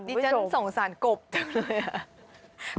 ดิฉันสงสารกบจังเลย